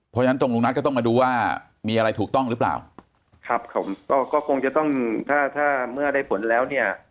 เพราะฉะนั้นตรงลุงนัทก็ต้องมาดูว่ามีอะไรถูกต้องหรือเปล่าครับผมก็ก็คงจะต้องถ้าถ้าเมื่อได้ผลแล้วเนี่ย